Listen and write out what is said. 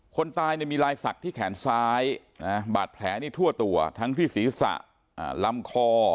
คนตายมีลายศักดิ์ที่แขนซ้ายบาดแผลนี่ทั่วตัวทั้งที่ศีรษะลำคอ